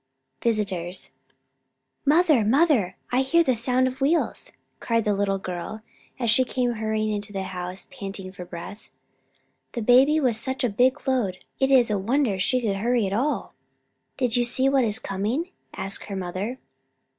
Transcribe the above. VISITORS "MOTHER, mother, I hear the sound of wheels," cried the little girl, as she came hurrying into the house, panting for breath. The baby was such a big load it is a wonder she could hurry at all. "Could you see what is coming?" asked her mother.